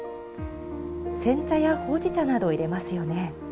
煎茶やほうじ茶など入れますよね。